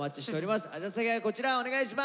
宛先はこちらお願いします。